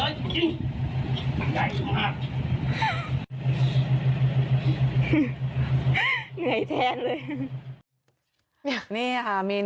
ที่นี่มีเชือกไหมดูที่นี่มาก่อน